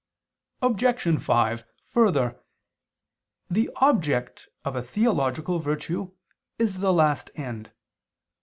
Obj. 5: Further, the object of a theological virtue is the last end.